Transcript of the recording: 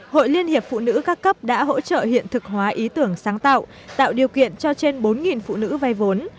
hội liên hiệp phụ nữ các cấp đã hỗ trợ hiện thực hóa ý tưởng sáng tạo tạo điều kiện cho trên bốn phụ nữ vay vốn